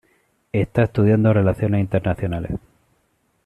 Está estudiando relaciones internacionales.